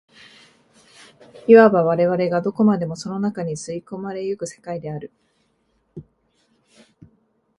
いわば我々がどこまでもその中に吸い込まれ行く世界である。